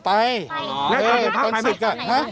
ภาพนี้เป็นหน้า